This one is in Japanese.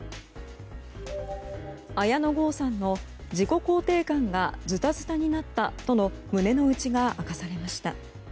綾野剛さんの自己肯定感がずたずたになったとの胸の内が明かされました。